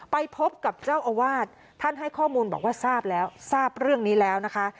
ไปพบกับเจ้าอาวาสท่านให้ข้อมูลบอกว่าทราบแล้วทราบเรื่องนี้แล้วนะคะ